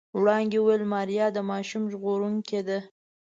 وړانګې وويل ماريا د ماشوم ژغورونکې ده.